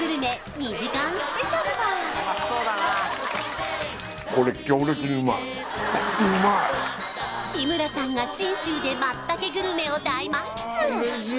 ２時間スペシャルは日村さんが信州で松茸グルメを大満喫